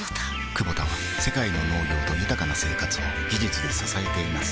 クボタは世界の農業と豊かな生活を技術で支えています起きて。